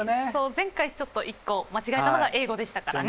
前回ちょっと１個間違えたのが英語でしたからね。